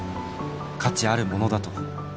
「価値あるものだと」